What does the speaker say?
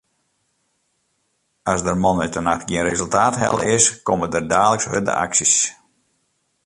As der moandeitenacht gjin resultaat helle is, komme der daliks hurde aksjes.